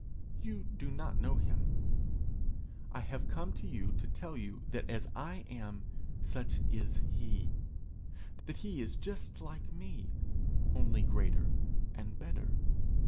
You do not know him; I have come to you to tell you that as I am, such is he; that he is just like me, only greater and better.